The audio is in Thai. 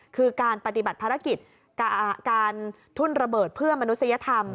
คือการปฏิบัติภารกิจการทุ่นระเบิดเพื่อมนุษยธรรม